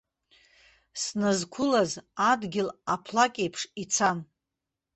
Сназқәылаз адгьыл аԥлакь еиԥш ицан.